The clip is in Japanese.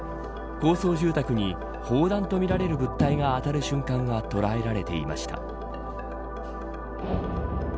高層住宅に砲弾とみられる物体が当たる瞬間が捉えられていました。